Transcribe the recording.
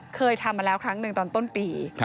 เคยทำมาแล้วครั้งหนึ่งตอนต้นปี